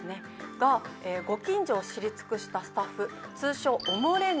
がご近所を知り尽くしたスタッフ通称。